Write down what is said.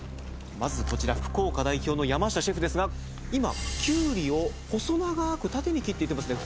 まずこちら福岡代表の山下シェフですが今きゅうりを細長く縦に切っていってますね